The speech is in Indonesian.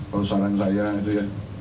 kalau saran saya itu ya